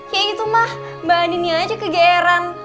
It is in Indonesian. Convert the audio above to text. ya itu mah mbak andinnya aja kegeeran